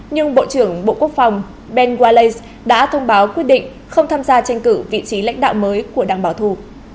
nhưng bộ trưởng bộ quốc phòng benwales đã thông báo quyết định không tham gia tranh cử vị trí lãnh đạo mới của đảng bảo thủ